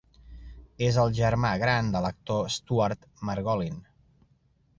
És el germà gran de l'actor Stuart Margolin.